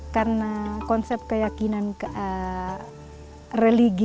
kepala kerbau yang diberikan oleh kerajaan ini